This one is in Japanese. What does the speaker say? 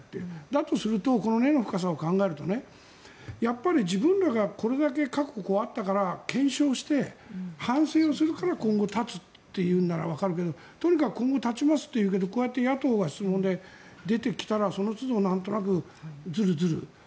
だとするとこの根の深さを考えるとやっぱり自分らがこれだけ過去あったから検証して、反省をするから今後断つというならわかるけどとにかく今後断ちますというけどこうやって野党の質問で出てきたらそのつどなんとなくずるずると。